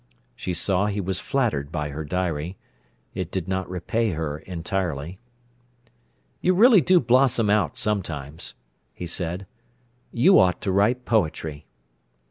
She saw he was flattered by her diary. It did not repay her entirely. "You really do blossom out sometimes," he said. "You ought to write poetry."